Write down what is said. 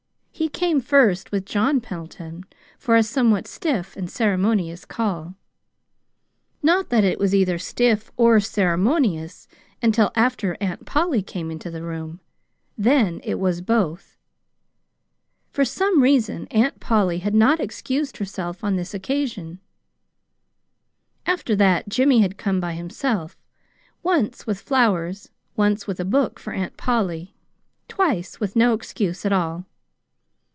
He came first with John Pendleton for a somewhat stiff and ceremonious call not that it was either stiff or ceremonious until after Aunt Polly came into the room; then it was both. For some reason Aunt Polly had not excused herself on this occasion. After that Jimmy had come by himself, once with flowers, once with a book for Aunt Polly, twice with no excuse at all.